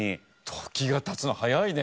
時が経つの早いね。